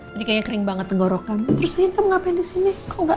tadi kayaknya kering banget tenggorok kamu terus sayang kamu ngapain disini kok gak